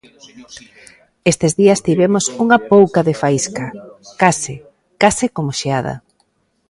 Estes días tivemos unha pouca de faísca, case, case como xeada.